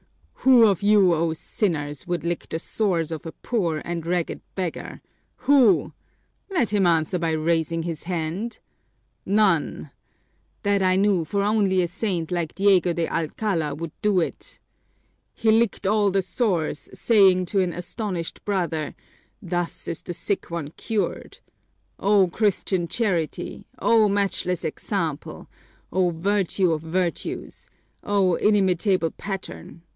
"Who of you, O sinners, would lick the sores of a poor and ragged beggar? Who? Let him answer by raising his hand! None! That I knew, for only a saint like Diego de Alcala would do it. He licked all the sores, saying to an astonished brother, 'Thus is this sick one cured!' O Christian charity! O matchless example! O virtue of virtues! O inimitable pattern!